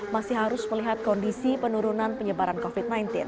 masih harus melihat kondisi penurunan penyebaran covid sembilan belas